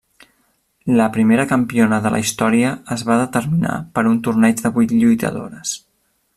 La primera campiona de la història es va determinar per un torneig de vuit lluitadores.